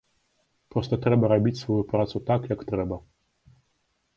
Проста трэба рабіць сваю працу так, як трэба.